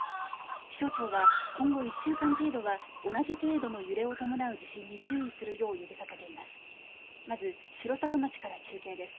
気象庁は、今後１週間程度は同じ程度の揺れを伴う地震に注意するよう呼びかけています。